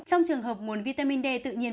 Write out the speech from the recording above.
trong trường hợp nguồn vitamin d tự nhiên